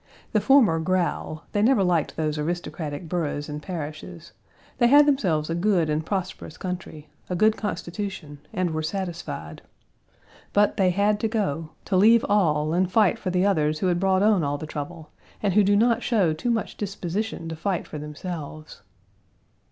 The former growl; they never liked those aristocratic boroughs and parishes, they had themselves a good and prosperous country, a good constitution, and were satisfied. But they had to go to leave all and fight for the others who brought on all the trouble, and who do not show too much disposition to fight for themselves.